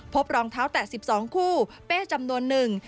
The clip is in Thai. พบรองเท้าแตะ๑๒คู่เป้จำนวนหนึ่ง